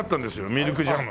ミルクジャム。